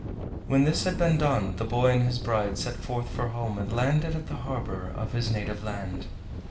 When this had been done the boy and his bride set forth for home, and landed at the harbor of his native land.